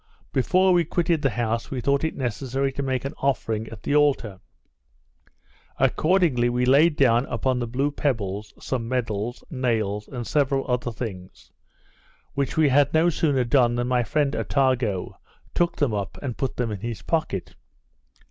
Before we quitted the house we thought it necessary to make an offering at the altar. Accordingly we laid down upon the blue pebbles, some medals, nails, and several other things, which we had no sooner done than my friend Attago took them up, and put them in his pocket.